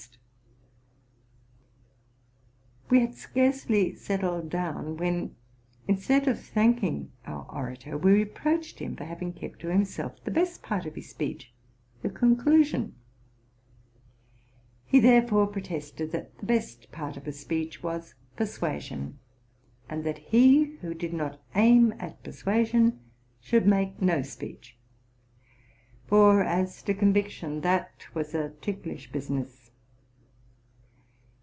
————{,|, RELATING TO MY LIFE. 195 We bad scarcely settled down, when, instead of thanking our orator, we reproached him for having kept to himself the best part of his speech, — the couclusion. He thereupon pro tested that the best part of a speech was persuasion, and that he who did not aim at persuasion should make no speech ; for, as to conviction, that was a ticklish business.